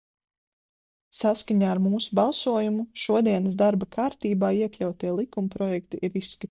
Saskaņā ar mūsu balsojumu šodienas darba kārtībā iekļautie likumprojekti ir izskatīti.